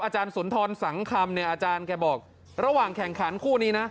สุนทรสังคำเนี่ยอาจารย์แกบอกระหว่างแข่งขันคู่นี้นะ